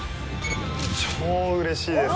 超うれしいです！